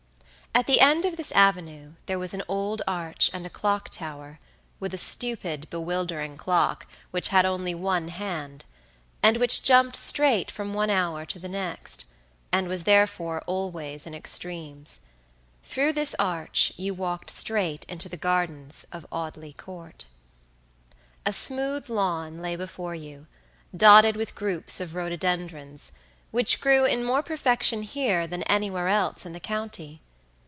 At the end of this avenue there was an old arch and a clock tower, with a stupid, bewildering clock, which had only one handand which jumped straight from one hour to the nextand was therefore always in extremes. Through this arch you walked straight into the gardens of Audley Court. A smooth lawn lay before you, dotted with groups of rhododendrons, which grew in more perfection here than anywhere else in the county.